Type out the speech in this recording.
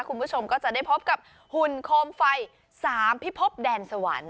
คุณผู้ชมก็จะได้พบกับหุ่นโคมไฟ๓พิพบแดนสวรรค์